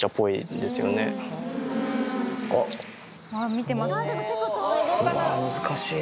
見てますね。